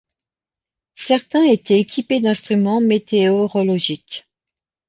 Certains étaient équipés d’instruments météorologiques.